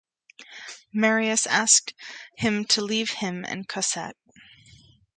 Marius asks him to leave him and Cosette.